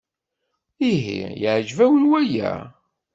Ihi yeɛjeb-awen waya?